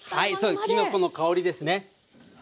そうですきのこの香りですね。